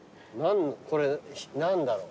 これ何だろう？